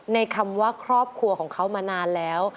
คำว่าครอบครัวของเขามานานแล้ว